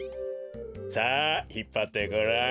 さあひっぱってごらん。